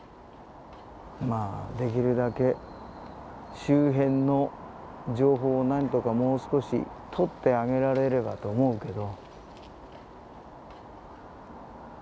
まあできるだけ周辺の情報を何とかもう少しとってあげられればと思うけど。